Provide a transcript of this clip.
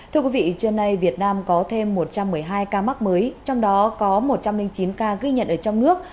thưa quý vị trưa nay việt nam có thêm một trăm một mươi hai ca mắc mới trong đó có một trăm linh chín ca ghi nhận ở trong nước